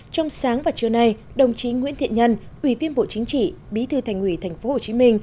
trong sáng và trưa nay đồng chí nguyễn thiện nhân ủy viên bộ chính trị bí thư thành ủy tp hcm